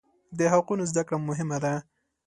د حقوقو زده کړه مهمه ده.